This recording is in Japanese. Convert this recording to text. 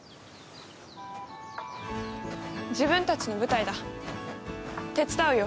自分たちの舞台だ手伝うよ。